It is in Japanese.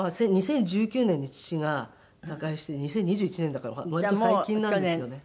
まあ２０１９年に父が他界して２０２１年だから割と最近なんですよね。